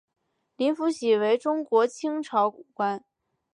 林福喜为中国清朝武官。